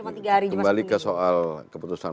kembali ke soal keputusan